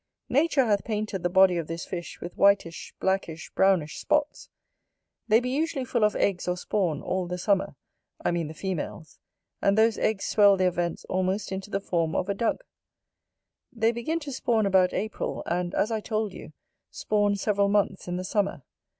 Nature hath painted the body of this fish with whitish, blackish, brownish spots. They be usually full of eggs or spawn all the summer, I mean the females; and those eggs swell their vents almost into the form of a dug. They begin to spawn about April, and, as I told you, spawn several months in the summer.